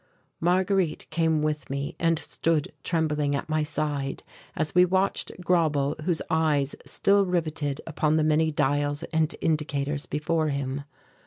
Marguerite came with me and stood trembling at my side as we watched Grauble, whose eyes still riveted upon the many dials and indicators before him.